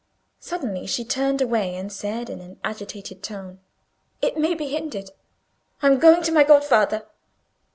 Suddenly she turned away, and said in an agitated tone, "It may be hindered—I am going to my godfather."